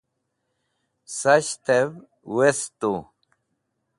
Sahtev westu